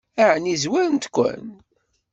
Ɛni zwarent-ken?